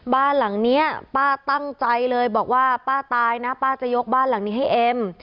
บ้านหลังนี้ป้าตั้งใจเลยบอกว่าป้าตายนะป้าจะยกบ้านหลังนี้ให้เอ็ม